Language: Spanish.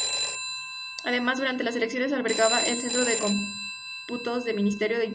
Además, durante las elecciones albergaba el centro de cómputos del Ministerio del Interior.